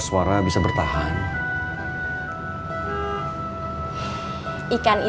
di mana banyak tempat yang terkoneksi